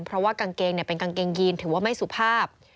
เพราะว่ากางเกงเป็นกางเกงยีนถือว่าไม่สุภาพ